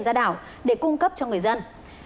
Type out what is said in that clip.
ra đảo để cung cấp cho người dân